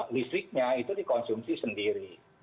listriknya itu dikonsumsi sendiri